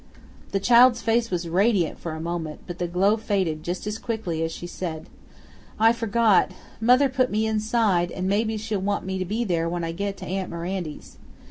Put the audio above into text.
The child's face was radiant for a moment, but the glow faded just as quickly as she said, "I forgot mother put me inside, and maybe she'd want me to be there when I got to aunt Mirandy's.